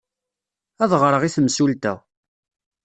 Ad ɣreɣ i temsulta.